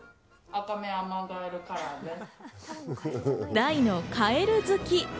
大のカエル好き。